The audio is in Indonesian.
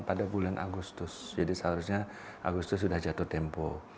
pada bulan agustus jadi seharusnya agustus sudah jatuh tempo